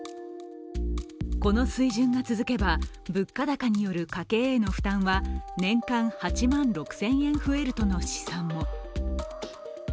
この水準が続けば物価高による家計への負担は年間８万６０００円増えるとの試算も。